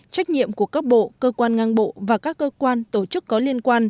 trách nhiệm của các bộ cơ quan ngang bộ và các cơ quan tổ chức có liên quan